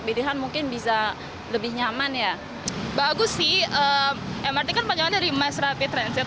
bagus sih mrt kan panjangnya dari mass rapid transit